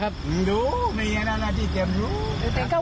คุณผู้ชมไปฟังเสียงพร้อมกัน